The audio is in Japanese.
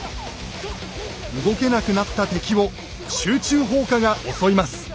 動けなくなった敵を集中砲火が襲います。